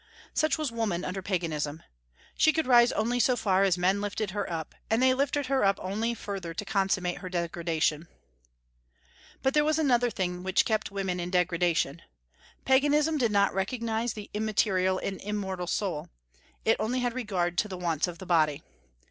Such was woman under Paganism. She could rise only so far as men lifted her up; and they lifted her up only further to consummate her degradation. But there was another thing which kept women in degradation. Paganism did not recognize the immaterial and immortal soul: it only had regard to the wants of the body.